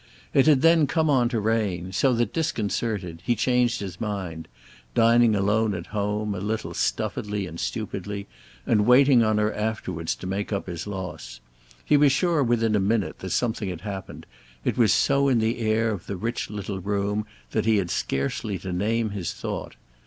It had then come on to rain, so that, disconcerted, he changed his mind; dining alone at home, a little stuffily and stupidly, and waiting on her afterwards to make up his loss. He was sure within a minute that something had happened; it was so in the air of the rich little room that he had scarcely to name his thought.